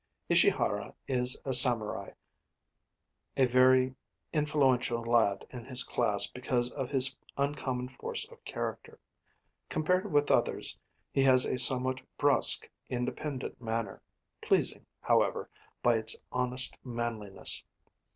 Ishihara is a samurai a very influential lad in his class because of his uncommon force of character. Compared with others, he has a somewhat brusque, independent manner, pleasing, however, by its honest manliness.